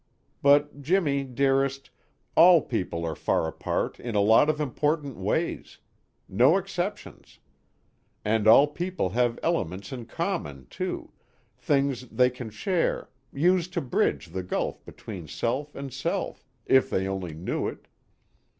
But Jimmy, Dearest, all people are far apart in a lot of important ways. No exceptions. And all people have elements in common too, things they can share, use to bridge the gulf between self and self, if they only knew it.